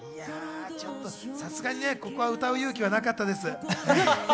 さすがにここは歌う勇気はなかったです。